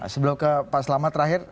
sebelum ke pak selamat terakhir